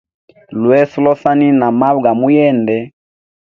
Lweso losaniya na mabwe ga muyende.